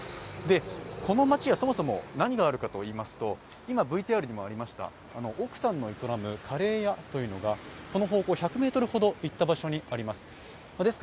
この街はそもそも何があるかといいますと、今、ＶＴＲにもありました奥さんの営むカレー屋がこの方向、１００ｍほど行った場所にあります。